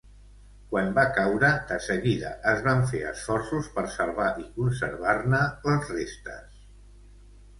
Quan va caure, de seguida es van fer esforços per salvar i conservar-ne les restes.